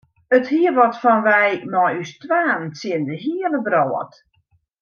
It hie wat fan wy mei ús twaen tsjin de hiele wrâld.